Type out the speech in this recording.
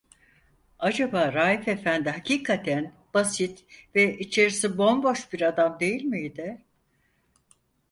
Acaba Raif efendi hakikaten basit ve içerisi bomboş bir adam değil miydi?